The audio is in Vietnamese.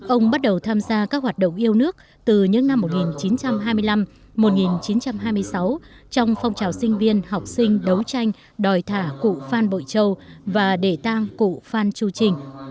ông bắt đầu tham gia các hoạt động yêu nước từ những năm một nghìn chín trăm hai mươi năm một nghìn chín trăm hai mươi sáu trong phong trào sinh viên học sinh đấu tranh đòi thả cụ phan bội châu và đề tang cụ phan chu trình